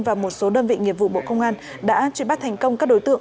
và một số đơn vị nghiệp vụ bộ công an đã truy bắt thành công các đối tượng